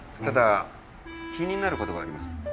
ただ気になることがあります。